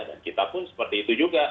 dan kita pun seperti itu juga